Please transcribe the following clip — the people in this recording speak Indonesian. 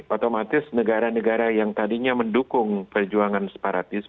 otomatis negara negara yang tadinya mendukung perjuangan separatis